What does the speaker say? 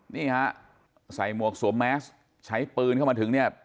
นี่ฮะใส่หมวกสวมแมสใช้ปืนเข้ามาถึงเนี่ย